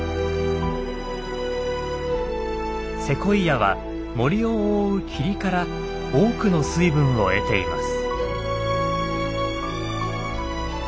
セコイアは森を覆う霧から多くの水分を得ています。